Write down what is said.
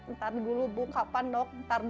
ntar dulu bu kapan dong ntar dulu bu